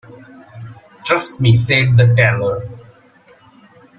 “Trust me,” said the tailor.